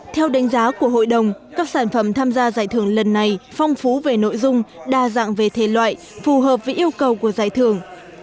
theo đánh giá của hội đồng các sản phẩm tham gia giải thưởng lần này phong phú về nội dung đa dạng về thể loại phù hợp với yêu cầu của giải thưởng